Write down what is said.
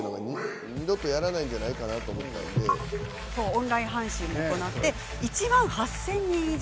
オンライン配信も行い観客数は１万８０００人以上。